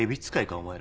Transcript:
お前ら。